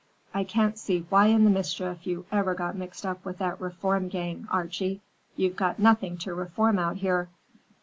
I can't see why in the mischief you ever got mixed up with that reform gang, Archie. You've got nothing to reform out here.